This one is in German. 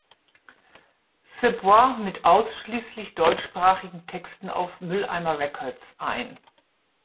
Se Bois" mit ausschließlich deutschsprachigen Texten auf "Mülleimer Records" ein.